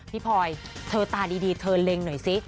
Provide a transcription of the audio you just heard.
พลอยเธอตาดีเธอเล็งหน่อยสิ